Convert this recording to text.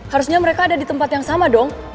harusnya mereka ada di tempat yang sama dong